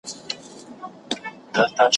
او پر خپله تنه وچ سې خپلو پښو ته به رژېږې ,